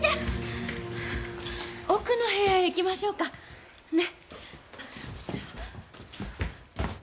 奥の部屋へ行きましょうか。ね。